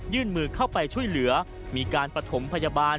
มือเข้าไปช่วยเหลือมีการปฐมพยาบาล